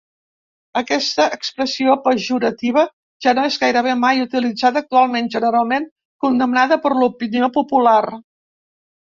Aquesta expressió pejorativa ja no és gairebé mai utilitzada actualment, generalment condemnada per l'opinió popular.